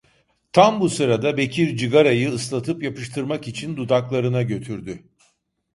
Tam bu sırada Bekir cıgarayı, ıslatıp yapıştırmak için, dudaklarına götürdü.